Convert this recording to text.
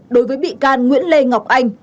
đối với bị can nguyễn lê ngọc anh